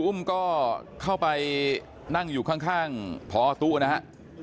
อุ้มก็เข้าไปนั่งอยู่ข้างพอตู้นะฮะ